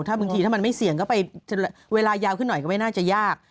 ถ้าบางทีถ้ามันไม่เสี่ยงก็ไปเวลายาวขึ้นหน่อยก็ไม่น่าจะยาก